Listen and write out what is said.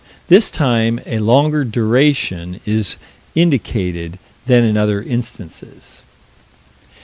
This time a longer duration is indicated than in other instances.